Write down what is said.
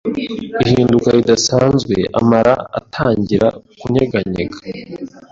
ihinduka ridasanzwe amara atangira kunyeganyega